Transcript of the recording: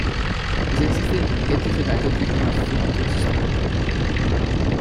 Es existieren etliche Weiterentwicklungen auf vielen Betriebssystemen.